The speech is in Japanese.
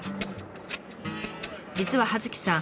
実は葉月さん